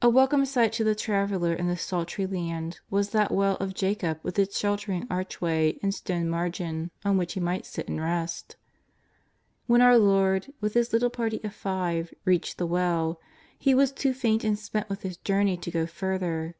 A welcome sight to the traveller in this sultry land was that well of Jacob with its shelter ing archway and stone margin on which he might sit and rest. When our Lord, with His little party of five, reached the well He was too faint and spent with His journey to go further.